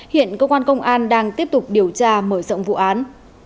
hiện công an đang tiếp tục điều tra mở rộng vụ án